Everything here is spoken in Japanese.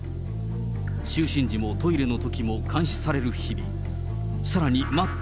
就寝時も、トイレのときも監視される日々。